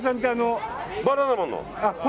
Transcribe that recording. バナナマンの。